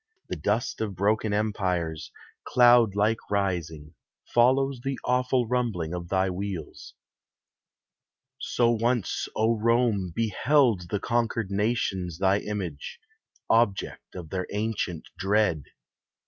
The dust of broken empires, cloud like rising, Follows the awful rumbling of thy wheels. So once, O Rome, beheld the conquered nations Thy image, object of their ancient dread.